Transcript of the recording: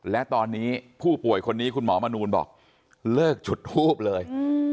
และตอนนี้ผู้ป่วยคนนี้คุณหมอมนูลบอกเลิกจุดทูบเลย